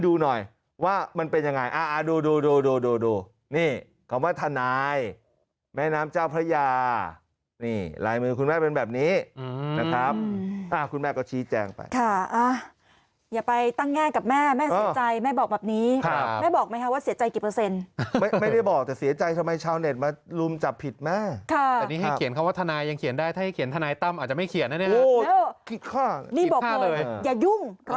ดูหน่อยว่ามันเป็นยังไงอะดู